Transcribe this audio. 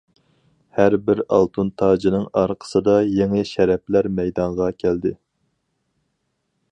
ھەر بىر ئالتۇن تاجنىڭ ئارقىسىدا يېڭى شەرەپلەر مەيدانغا كەلدى.